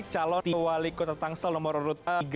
calon wali kota tangsel nomor tiga